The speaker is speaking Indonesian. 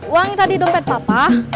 uangnya tadi dompet papa